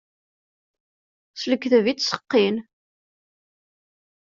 S lekdeb i ttseqqin.